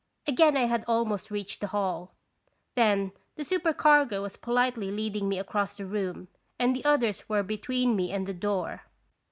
Again I had almost reached the hall. Then the supercargo was politely leading me across the room, and the others were between me and the door.